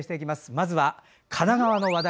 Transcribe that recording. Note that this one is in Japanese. まずは神奈川の話題。